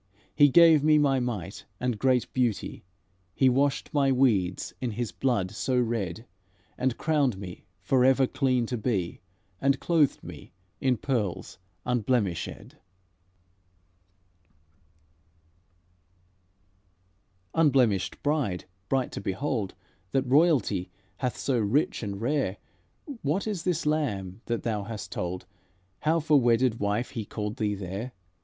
He gave me my might and great beauty; He washed my weeds in His blood so red, And crowned me, forever clean to be, And clothed me in pearls unblemishèd." "Unblemished bride, bright to behold, That royalty hath so rich and rare, What is this Lamb, that thou hast told How for wedded wife He called thee there?